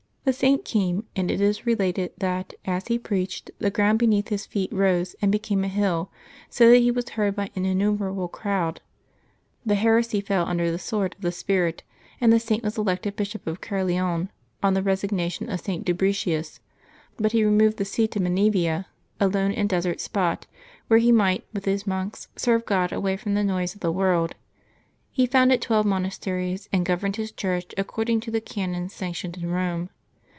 The Saint came, and it is related that, as he preached, the ground beneath his feet rose and became a hill, so that he was heard by an innumerable crowd. The heresy fell under the sword of the Spirit, and the Saint was elected Bishop of Caerleon on the resignation of St. Dubricius; but he removed the see to Menevia, a lone and desert spot, where he might, with his monks, serve God away from the noise of the world. He founded twelve monasteries, and governed his Church according to the canons sanctioned in Eome.